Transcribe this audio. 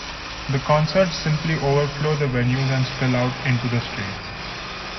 The concerts simply overflow the venues and spill out into the streets.